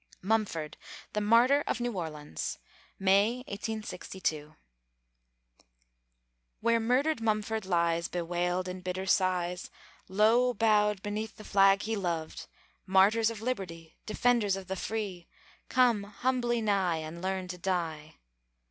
MUMFORD THE MARTYR OF NEW ORLEANS [May, 1862] Where murdered Mumford lies Bewailed in bitter sighs, Low bowed beneath the flag he loved Martyrs of Liberty, Defenders of the Free! Come, humbly nigh, And learn to die!